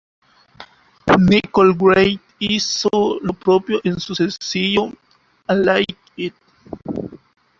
Nicole Wray hizo lo propio en su sencillo "I Like It".